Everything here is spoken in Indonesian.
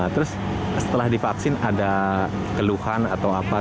terus setelah divaksin ada keluhan atau apa